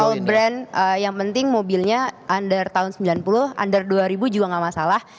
kalau brand yang penting mobilnya under tahun sembilan puluh under dua ribu juga gak masalah